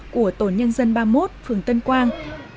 của tổ nhân dân ba mươi một phường tân quang